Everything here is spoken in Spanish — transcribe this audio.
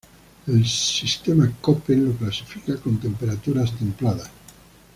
El sistema Koppen lo clasifica con temperaturas templadas.